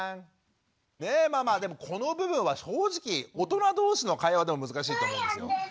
ねえママこの部分は正直大人同士の会話でも難しいと思うんですよ。